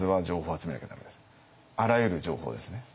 あらゆる情報ですね。